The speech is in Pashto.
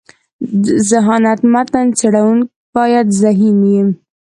ذهانت: متن څړونکی باید ذهین يي.